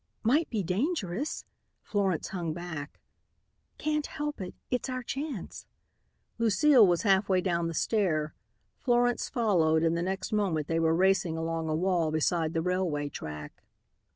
"Might be dangerous," Florence hung back. "Can't help it. It's our chance." Lucile was halfway down the stair. Florence followed and the next moment they were racing along a wall beside the railway track.